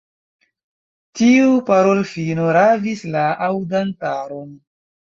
Tiu parolfino ravis la aŭdantaron.